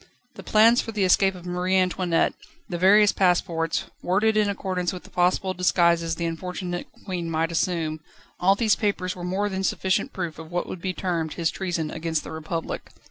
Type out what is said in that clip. The plans for the escape of Marie Antoinette, the various passports, worded in accordance with the possible disguises the unfortunate Queen might assume all these papers were more than sufficient proof of what would be termed his treason against the Republic.